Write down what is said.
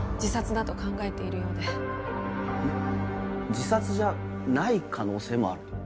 自殺じゃない可能性もあると？